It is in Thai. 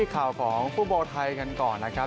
ข่าวของฟุตบอลไทยกันก่อนนะครับ